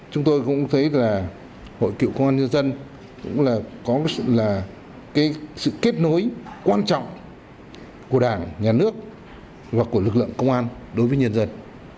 chúng tôi cũng thấy là hội cựu công an nhân dân cũng là sự kết nối quan trọng của đảng nhà nước và của lực lượng công an đối với nhân dân